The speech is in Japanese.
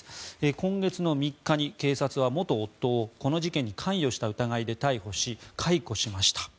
今月の３日に警察は元夫をこの事件に関与した疑いで逮捕し解雇しました。